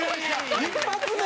一発目？